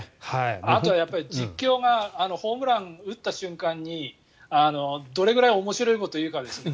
あとは実況がホームランを打った瞬間にどれぐらい面白いこと言うかですね。